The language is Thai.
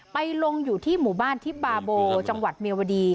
ไปลงอยู่ที่หมู่บ้านทิบาโบจังหวัดเมียวดี